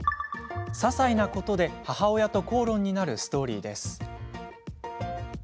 ささいなことで母親と口論になるストーリーです。